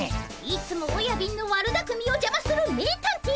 いつもおやびんの悪だくみをじゃまする名探偵